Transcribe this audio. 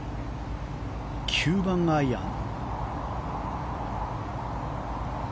９番アイアン。